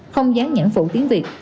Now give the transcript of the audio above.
không dán nhãn phụ tiếng việt